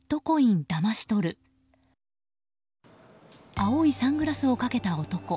青いサングラスをかけた男。